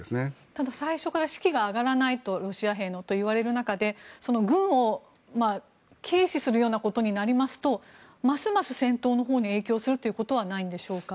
ただ最初から士気が上がらないとロシア兵の、と言われる中で軍を軽視するようなことになりますとますます戦闘のほうに影響するということはないのでしょうか。